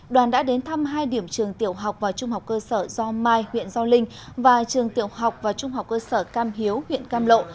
đoàn đã đến thăm hai điểm trường tiểu học và trung học cơ sở do mai huyện do linh và trường tiểu học và trung học cơ sở cam hiếu huyện cam lộ